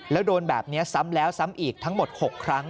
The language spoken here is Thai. แล้วโดนแบบนี้ซ้ำแล้วซ้ำอีกทั้งหมด๖ครั้ง